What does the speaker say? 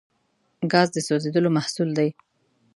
ګاز د سوځیدلو محصول دی.